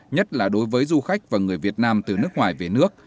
nhất là đối với du khách và người việt nam từ nước ngoài về nước